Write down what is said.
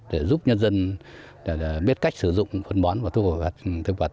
để giúp nhân dân biết cách sử dụng phân bón và thuốc bảo vệ thực vật